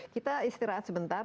kita istirahat sebentar